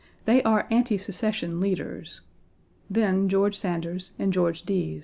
They are Anti Secession leaders; then George Sanders and George Deas.